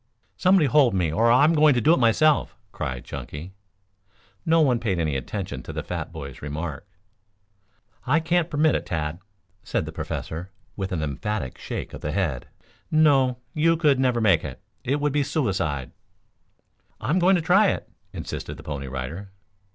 "Somebody hold me or I'll be doing it myself," cried Chunky. No one paid any attention to the fat boy's remark. "I can't permit it, Tad," said the Professor, with an emphatic shake of the head. "No, you could never make it. It would be suicide." "I'm going to try it," insisted the Pony Rider.